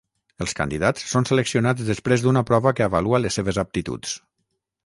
Els candidats són seleccionats després d'una prova que avalua les seves aptituds.